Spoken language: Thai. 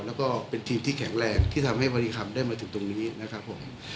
แล้วก็เป็นทีมที่แข็งแรงที่ทำให้บริคัมได้มาถึงตรงนี้นะครับผม